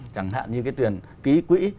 chẳng hạn như cái tiền ký quỹ